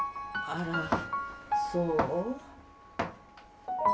あらそう。